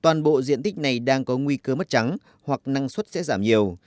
toàn bộ diện tích này đang có nguy cơ mất trắng hoặc năng suất sẽ giảm nhiều